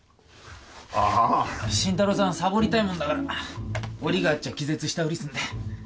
ああ新太郎さんサボりたいもんだから折があっちゃあ気絶したフリすんだよ